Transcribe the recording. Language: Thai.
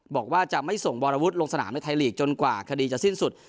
บอกว่าจะไม่ส่งวรวุฒิลงสนามในไทยลีกจนกว่าคดีจะสิ้นสุด